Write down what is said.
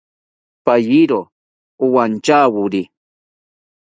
Payiro owantyawori